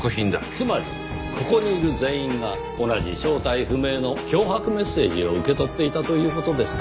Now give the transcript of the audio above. つまりここにいる全員が同じ正体不明の脅迫メッセージを受け取っていたという事ですか。